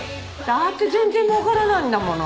だって全然儲からないんだもの。